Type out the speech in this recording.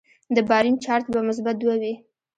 د باریم چارج به مثبت دوه وي.